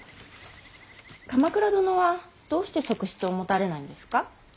鎌倉殿はどうして側室を持たれないんですか。